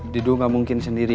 didu gak mungkin sendirian